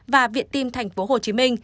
và viện tim tp hcm